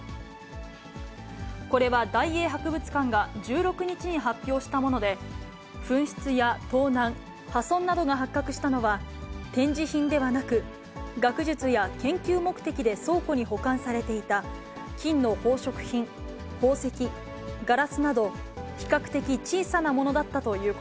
これは大英博物館が１６日に発表したもので、紛失や盗難、破損などが発覚したのは、展示品ではなく、学術や研究目的で倉庫に保管されていた、金の宝飾品、宝石、ガラスなど、比較的小さなものだったというこ